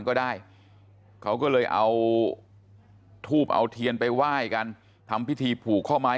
ก็ได้เขาก็เลยเอาทูบเอาเทียนไปไหว้กันทำพิธีผูกข้อไม้